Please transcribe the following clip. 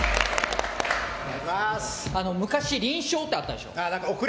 昔、輪唱ってあったでしょう。